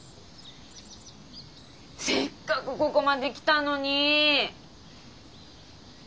せっかくここまで来たのにィ。